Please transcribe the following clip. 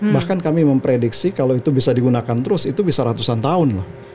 bahkan kami memprediksi kalau itu bisa digunakan terus itu bisa ratusan tahun